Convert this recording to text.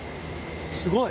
すごい！